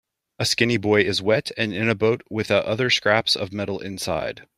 A skinny boy is wet and in a boat with a other scraps of metal inside.